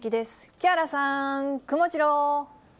木原さん、くもジロー。